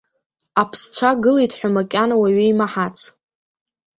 Аԥсцәа гылеит ҳәа макьана уаҩы имаҳац!